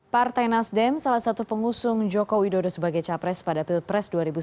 partai nasdem salah satu pengusung joko widodo sebagai capres pada pilpres dua ribu sembilan belas